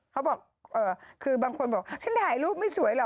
เขาบอกคือบางคนบอกฉันถ่ายรูปไม่สวยหรอก